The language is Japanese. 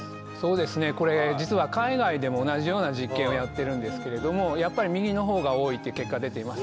これ、実は海外でも同じような実験やってるんですが右の方が多いという結果が出ています。